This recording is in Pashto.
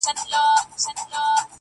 o څوک وایي گران دی، څوک وای آسان دی.